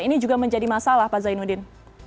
ini juga menjadi masalah pak zainuddin